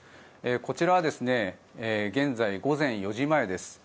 こちらは現在、午前４時前です。